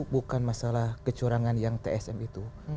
bukan masalah kecurangan yang tsm itu